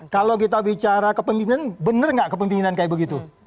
kalau kita bicara kepimpinan benar gak kepimpinan kayak begitu